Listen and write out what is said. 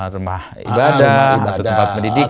rumah ibadah atau tempat pendidikan